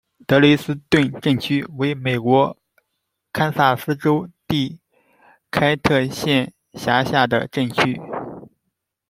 德累斯顿镇区为美国堪萨斯州第开特县辖下的镇区。